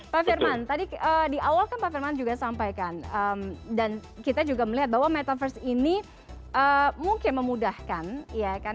pak firman tadi di awal kan pak firman juga sampaikan dan kita juga melihat bahwa metaverse ini mungkin memudahkan ya kan